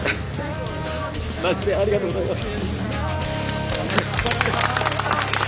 マジでありがとうございます。